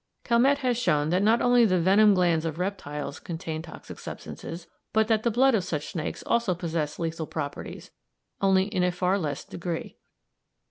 Calmette has shown that not only the venom glands of reptiles contain toxic substances, but that the blood of such snakes also possesses lethal properties, only in a far less degree.